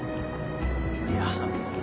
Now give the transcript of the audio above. いや。